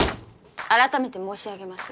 改めて申し上げます